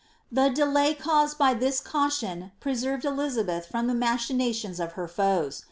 * The delay caused by this caution preserved Elizabeth from the ma rbinations of her foes.